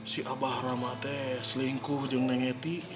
si abah ramadhe selingkuh dengan neng eti